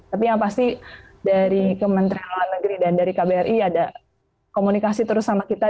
tapi yang pasti dari kementerian luar negeri dan dari kbri ada komunikasi terus sama kita